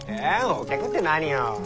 お客って何よ？